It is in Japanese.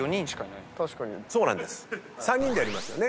３人でやりますよね。